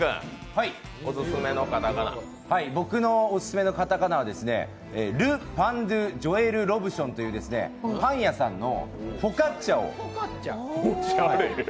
僕のオススメのカタカナはルパンドゥジョエル・ロブションというパン屋さんのフォカッチャを。